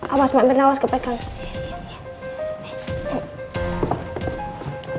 awas mbak bernawas ke pekang